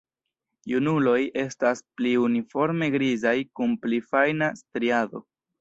Junuloj estas pli uniforme grizaj kun pli fajna striado.